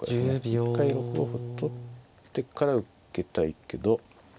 一回６五歩取ってから受けたいけど。